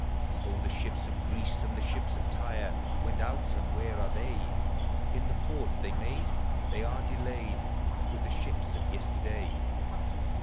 Oh, the ships of Greece and the ships of Tyre Went out, and where are the.\ ? In the port they made, they are delayed With the shi{>s of yesterday.